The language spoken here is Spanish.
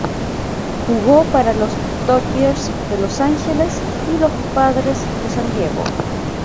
Jugó para los Dodgers de Los Angeles, y los Padres de San Diego.